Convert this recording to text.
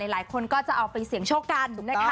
หลายคนก็จะเอาไปเสี่ยงโชคกันนะคะ